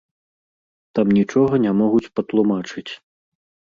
Там нічога не могуць патлумачыць.